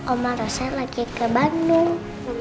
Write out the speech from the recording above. oma rasa lagi ke bandung